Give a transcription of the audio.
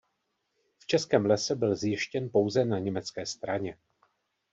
V Českém lese byl zjištěn pouze na německé straně.